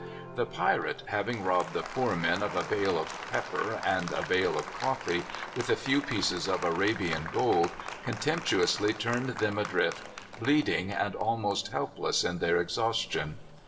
The pirate, having robbed the poor men of a bale of pepper and a bale of coffee, with a few pieces of Arabian gold, contemptuously turned them adrift, bleeding and almost helpless in their exhaustion.